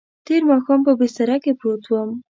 تېر ماښام په بستره کې پروت وم.